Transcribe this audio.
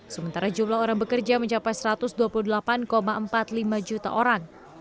sementara jumlah orang bekerja mencapai satu ratus dua puluh delapan empat puluh lima juta orang